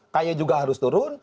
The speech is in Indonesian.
kai juga harus turun